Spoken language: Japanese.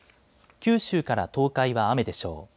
九州から東海は雨でしょう。